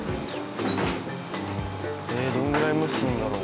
どのぐらい蒸すんだろう？